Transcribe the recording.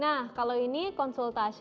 nah kalau ini konsultasi